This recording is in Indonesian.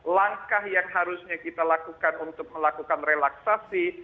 langkah yang harusnya kita lakukan untuk melakukan relaksasi